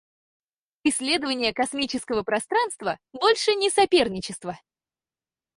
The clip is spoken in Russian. Исследование космического пространства — больше не соперничество.